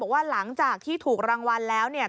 ว่าหลังจากที่ถูกรางวัลแล้วเนี่ย